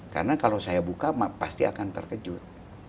karena kalau saya buka pasti akan terkejut